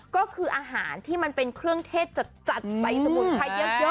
ก็คืออาหารที่มันเป็นเครื่องเทศจัดใส่สมุนไพรเยอะ